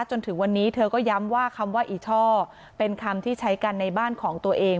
จนถึงวันนี้เธอก็ย้ำว่าคำว่าอีช่อเป็นคำที่ใช้กันในบ้านของตัวเอง